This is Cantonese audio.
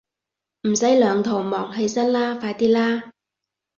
唔使兩頭望，起身啦，快啲啦